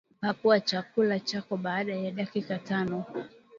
Pakuaa chakula chako baada ya dakika tano